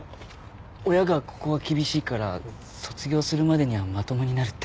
親がここは厳しいから卒業するまでにはまともになるって。